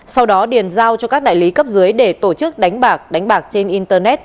sau đó điền giao cho các đại lý cấp dưới để tổ chức đánh bạc đánh bạc trên internet